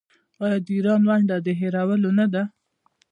آیا د ایران ونډه د هیرولو نه ده؟